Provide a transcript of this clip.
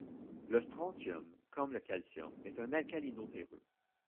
Le strontium, comme le calcium, est un alcalino-terreux.